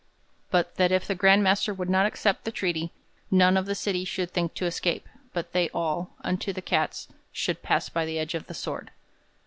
But that if the Grand Master would not accept the treaty none of the city should think to escape, but they all, unto the cats, should pass by the edge of the sword.'